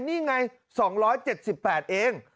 นี่ไง๒๗๘เอง